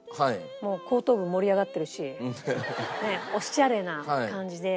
もう後頭部盛り上がってるしオシャレな感じで。